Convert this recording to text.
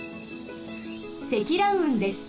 積乱雲です。